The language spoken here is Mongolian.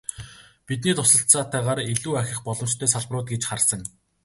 Бидний туслалцаатайгаар илүү ахих боломжтой салбарууд гэж харсан.